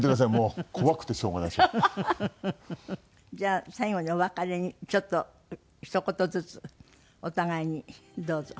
じゃあ最後にお別れにちょっとひと言ずつお互いにどうぞ。